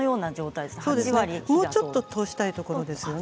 もうちょっと通したいところですね。